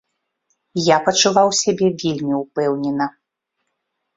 Я пачуваў сябе вельмі ўпэўнена.